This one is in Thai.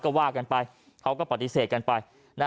ก็ว่ากันไปเขาก็ปฏิเสธกันไป